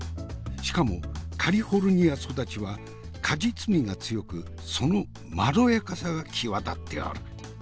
しかもカリフォルニア育ちは果実味が強くそのまろやかさが際立っておる。